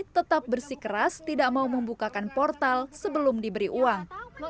tetap bersikeras tidak mau membukakan portal sebelum diberi uang